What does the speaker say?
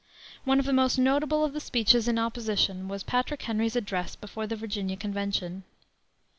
One of the most notable of the speeches in opposition was Patrick Henry's address before the Virginia Convention.